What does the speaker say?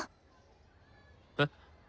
えっ？